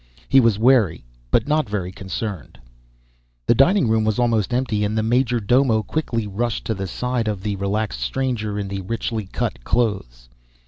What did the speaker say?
He was wary but not very concerned. The dining room was almost empty and the major domo quickly rushed to the side of the relaxed stranger in the richly cut clothes.